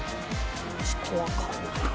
ちょっとわかんないな。